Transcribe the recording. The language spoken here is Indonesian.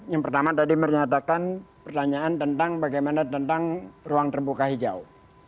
yang pertama tadi menyatakan pertanyaan tentang bagaimana tentang ruang terbuka hijau